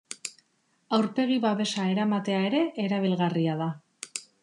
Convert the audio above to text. Aurpegi-babesa eramatea ere erabilgarria da.